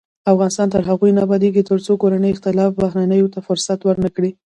افغانستان تر هغو نه ابادیږي، ترڅو کورني اختلافات بهرنیو ته فرصت ورنکړي.